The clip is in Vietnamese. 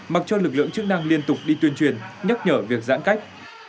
mặc cho lực lượng chức năng liên tục đi tuyên truyền nhắc nhở việc giãn cách